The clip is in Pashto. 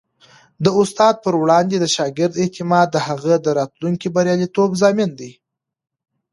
د استاد پر وړاندې د شاګرد اعتماد د هغه د راتلونکي بریالیتوب ضامن دی.